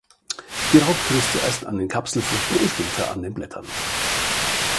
Die Raupe frisst zuerst an den Kapselfrüchten und später an den Blättern.